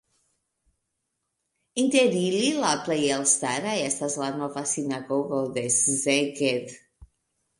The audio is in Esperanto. Inter ili la plej elstara estas la nova sinagogo en Szeged.